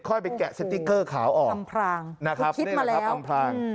ค่อยไปแกะสติกเกอร์ขาวออกทำพรางนะครับคุณคิดมาแล้วทำพราง